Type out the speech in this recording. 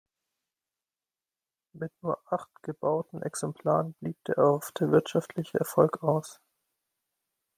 Mit nur acht gebauten Exemplaren blieb der erhoffte wirtschaftliche Erfolg aus.